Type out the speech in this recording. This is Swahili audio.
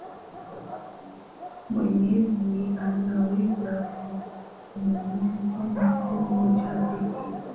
mwenyeji anaweza kumuoji mtu mmoja pekee